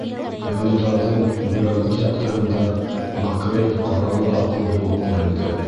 Йондоҙҙарҙың бөләңгерт яҡтыһында макрель ҡаралы-аҡлы булып күренде.